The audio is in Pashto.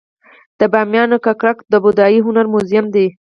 د بامیانو ککرک د بودايي هنر موزیم دی